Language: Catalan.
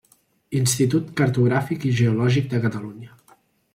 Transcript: Institut Cartogràfic i Geològic de Catalunya.